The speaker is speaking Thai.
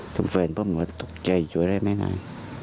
เพื่อนผมก็ตกใจอยู่เลยแม่นาย